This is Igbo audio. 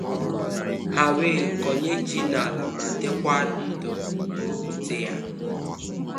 ha wee kọnye ji n'ala ma dịkwa ndụ gwupute ya.